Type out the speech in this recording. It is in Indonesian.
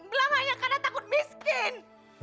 belah hanya karena takut miskin